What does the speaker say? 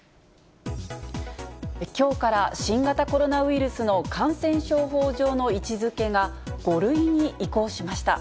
きょうから新型コロナウイルスの感染症法上の位置づけが、５類に移行しました。